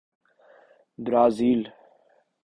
Brazil